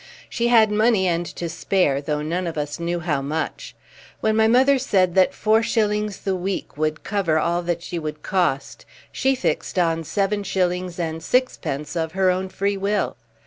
She had money and to spare, though none of us knew how much. When my mother said that four shillings the week would cover all that she would cost, she fixed on seven shillings and sixpence of her own free will.